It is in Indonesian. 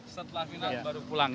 setelah final baru pulang